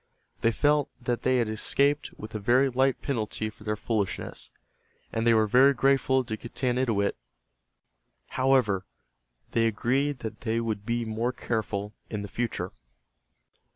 They felt that they had escaped with a very light penalty for their foolishness, and they were very grateful to Getanittowit. However, they agreed that they would be more careful in the future.